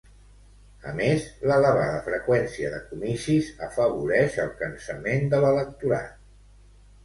A més, l'elevada freqüència de comicis afavoreix el cansament de l'electorat.